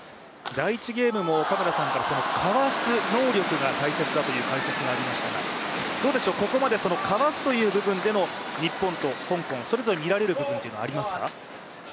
第１ゲームも嘉村さんからかわす能力が大切だという解説がありましたがここまでかわすという部分での日本と香港、それぞれ見られる部分というのはありますか？